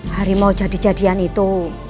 harimau jadi jadian itu